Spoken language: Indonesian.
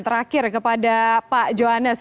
terakhir kepada pak johannes